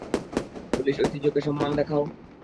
Polish ঐতিহ্যকে সন্মান দেখাও?